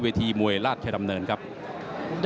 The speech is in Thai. ส่วนคู่ต่อไปของกาวสีมือเจ้าระเข้ยวนะครับขอบคุณด้วย